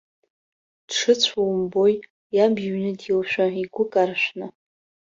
Дшыцәоу умбои, иаб иҩны диоушәа, игәы каршәны.